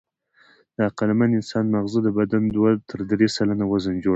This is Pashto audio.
د عقلمن انسان ماغزه د بدن دوه تر درې سلنه وزن جوړوي.